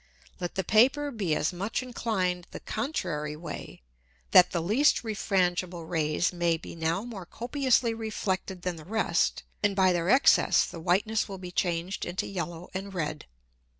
Let the Paper be as much inclined the contrary way, that the least refrangible Rays may be now more copiously reflected than the rest, and by their Excess the Whiteness will be changed into yellow and red.